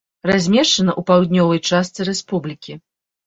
Размешчана ў паўднёвай частцы рэспублікі.